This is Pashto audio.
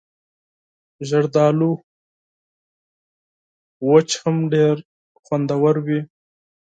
زردالو وچې هم ډېرې خوندورې وي.